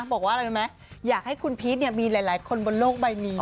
บอกว่าอะไรรู้ไหมอยากให้คุณพีชมีหลายคนบนโลกใบนี้